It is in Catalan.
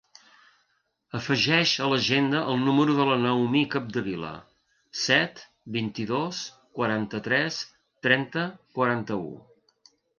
Afegeix a l'agenda el número de la Naomi Capdevila: set, vint-i-dos, quaranta-tres, trenta, quaranta-u.